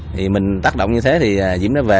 thì mình tác động như thế thì diễm đã về